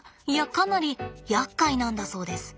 かなりやっかいなんだそうです。